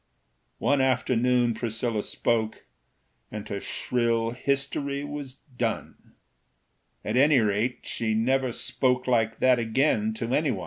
One afternoon Priscilla spoke, And her shrill history was done; At any rate, she never spoke Like that again to anyone.